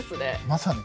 まさに。